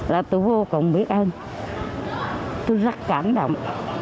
là tôi vô cùng biết ơn tôi rất cảm động